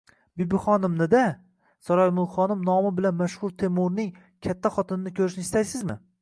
— Bibixonimni-da… Saroymulkxonim nomi bilan mashhur Temurning katta xotinini ko’rishni istaysizmi?